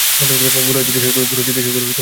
গোরা জিজ্ঞাসা করিল, কী সুবিধা হয়?